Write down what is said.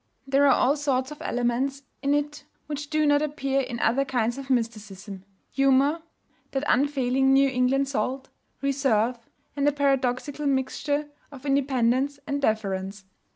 There are all sorts of elements in it which do not appear in other kinds of mysticism: humor (that unfailing New England salt!), reserve, and a paradoxical mixture of independence and deference.